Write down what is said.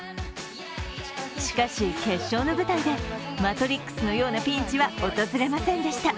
しかし、決勝の舞台で「マトリックス」のようなピンチは訪れませんでした。